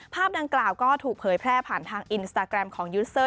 ภาพดังกล่าวก็ถูกเผยแพร่ผ่านทางอินสตาแกรมของยูสเซอร์